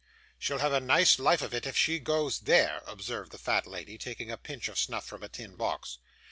'She'll have a nice life of it, if she goes there,' observed the fat lady, taking a pinch of snuff from a tin box.